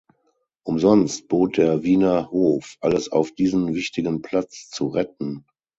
Umsonst bot der Wiener Hof alles auf diesen wichtigen Platz zu retten.